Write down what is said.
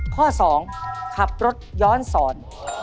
ข้อ๒ขับรถย้อนสอน